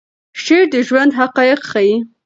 شعر د ژوند حقایق ښیي.